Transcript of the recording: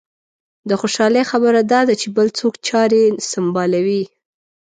د خوشالۍ خبره دا ده چې بل څوک چارې سنبالوي.